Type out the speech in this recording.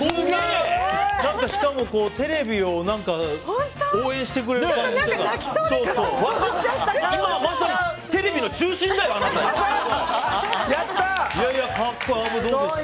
しかも、テレビを応援してくれる感じというか。